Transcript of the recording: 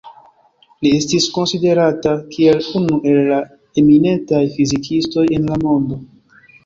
Li estis konsiderata kiel unu el la eminentaj fizikistoj en la mondo.